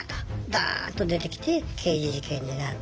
ダーッと出てきて刑事事件になって。